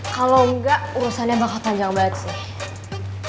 kalau enggak urusannya bakal panjang banget sih